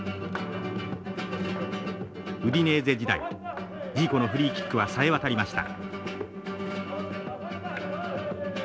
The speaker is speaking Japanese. ウディネーゼ時代ジーコのフリーキックはさえ渡りました。